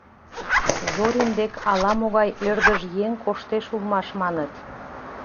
Зорин дек ала-могай ӧрдыж еҥ коштеш улмаш, маныт.